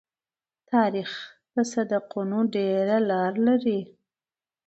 تاریخ د صدقونو ډېره لار لري.